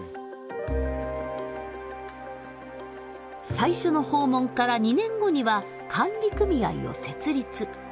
最初の訪問から２年後には管理組合を設立。